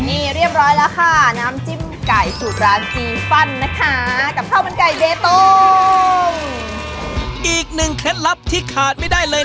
อีกหนึ่งเคล็ดลับที่ขาดไม่ได้เลย